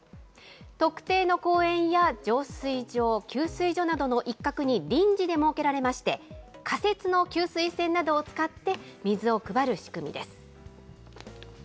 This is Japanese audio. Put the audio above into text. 特定の公園や浄水場、給水所などの一角に臨時で設けられまして、仮設の給水栓などを使って水を配る仕組みです。